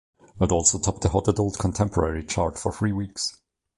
It also topped the Hot Adult Contemporary chart for three weeks.